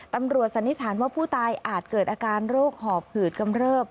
สันนิษฐานว่าผู้ตายอาจเกิดอาการโรคหอบหืดกำเริบ